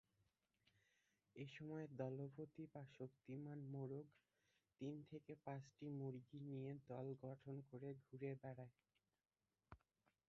এসময় দলপতি বা শক্তিমান মোরগ তিন থেকে পাঁচটি মুরগী নিয়ে দল গঠন করে ঘুরে বেড়ায়।